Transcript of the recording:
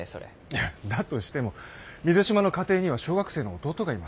いやだとしても水島の家庭には小学生の弟がいます。